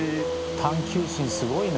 探究心すごいな。